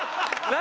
何？